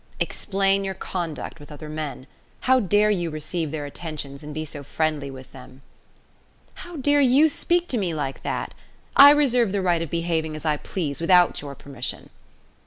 "Explain your conduct with other men. How dare you receive their attentions and be so friendly with them!" "How dare you speak to me like that! I reserve the right of behaving as I please without your permission."